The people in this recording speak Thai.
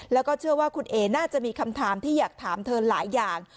แล้วก็เชื่อว่าคุณเอน่าจะมีคำถามที่อยากถามเธอหลายอย่าง